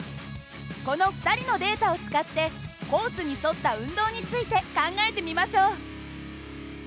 この２人のデータを使ってコースに沿った運動について考えてみましょう。